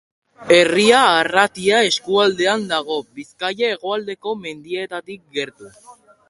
Herria Arratia eskualdean dago, Bizkaia hegoaldeko mendietatik gertu.